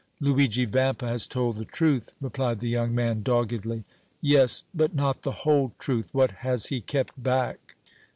"Luigi Vampa has told the truth!" replied the young man, doggedly. "Yes, but not the whole truth. What has he kept back?"